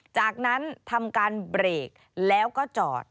จากนั้นทำการเบรกแล้วก็จอด